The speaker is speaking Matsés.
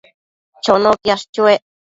Chono quiash chuec